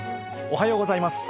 おはようございます。